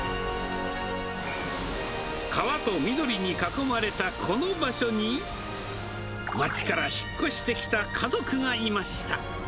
川と緑に囲まれたこの場所に、街から引っ越してきた家族がいました。